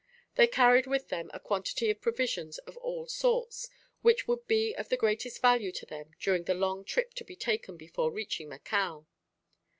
They carried with them a quantity of provisions of all sorts, which would be of the greatest value to them during the long trip to be taken before reaching Macao.